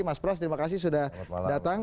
mas pras terima kasih sudah datang